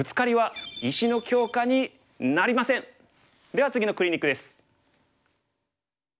では次のクリニックです。